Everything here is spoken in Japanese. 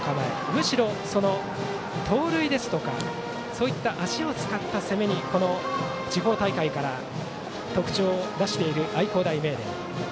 むしろ、盗塁ですとか足を使った攻めに地方大会から特徴を出している愛工大名電。